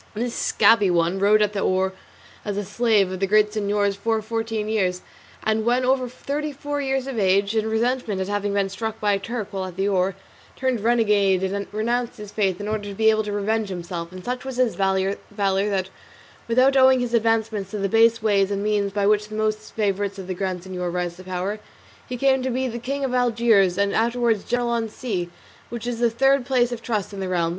This "scabby one" rowed at the oar as a slave of the Grand Signor's for fourteen years, and when over thirty four years of age, in resentment at having been struck by a Turk while at the oar, turned renegade and renounced his faith in order to be able to revenge himself; and such was his valour that, without owing his advancement to the base ways and means by which most favourites of the Grand Signor rise to power, he came to be king of Algiers, and afterwards general on sea, which is the third place of trust in the realm.